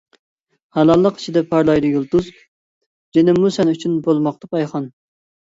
ھالاللىق ئىچىدە پارلايدۇ يۇلتۇز، جېنىممۇ سەن ئۈچۈن بولماقتا پايخان.